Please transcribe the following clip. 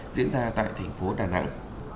diễn ra tại thành phố đà nẵng